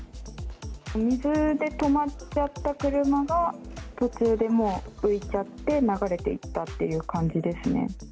水で止まっちゃった車が、途中でもう浮いちゃって、流れていったっていう感じですね。